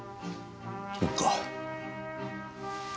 そうか。